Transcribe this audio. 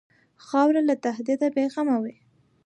خاوره له تهدیده بېغمه وي.